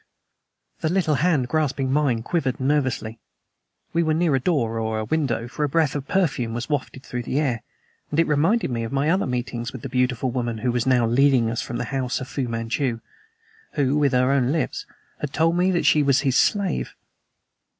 The little hand grasping mine quivered nervously. We were near a door or a window, for a breath of perfume was wafted through the air; and it reminded me of my other meetings with the beautiful woman who was now leading us from the house of Fu Manchu; who, with her own lips, had told me that she was his slave.